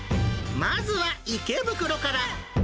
まずは池袋から。